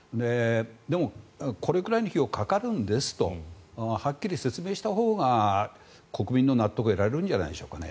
でも、これくらいの費用がかかるんですとはっきり説明したほうが国民の納得を得られるんじゃないでしょうかね。